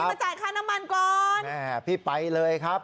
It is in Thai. มาจ่ายค่าน้ำมันก่อนแม่พี่ไปเลยครับ